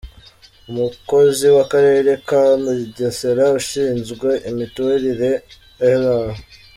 Umukozi w’akarere ka Bugesera ushinzwe imiturire, Ir.